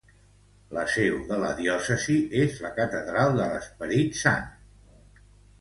La seu de la diòcesi és la catedral de l'Esperit Sant.